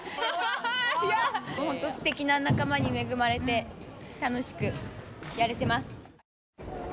すてきな仲間に恵まれて楽しくやれてます。